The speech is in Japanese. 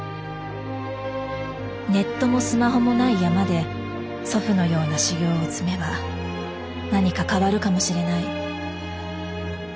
ネットもスマホもない山で祖父のような修行を積めば何か変わるかもしれない。